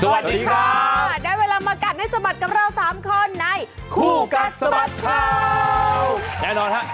สวัสดีค่ะได้เวลามากัดให้สะบัดกับเราสามคนในคู่กัดสะบัดข่าวแน่นอนฮะ